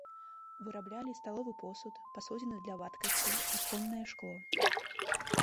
Выраблялі сталовы посуд, пасудзіны для вадкасцей, аконнае шкло.